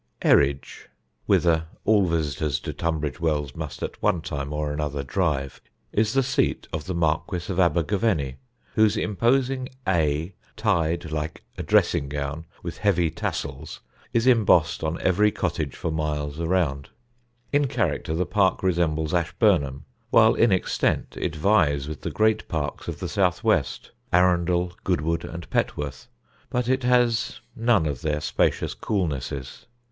[Sidenote: SAXONBURY] Eridge, whither all visitors to Tunbridge Wells must at one time or another drive, is the seat of the Marquis of Abergavenny, whose imposing A, tied, like a dressing gown, with heavy tassels, is embossed on every cottage for miles around. In character the park resembles Ashburnham, while in extent it vies with the great parks of the south west, Arundel, Goodwood and Petworth; but it has none of their spacious coolnesses.